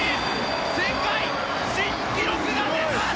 世界新記録が出た！